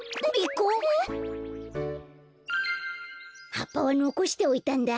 はっぱはのこしておいたんだ。